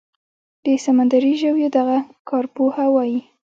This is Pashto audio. د سمندري ژویو دغه کارپوهه وايي